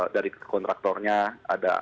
dari kontraktornya ada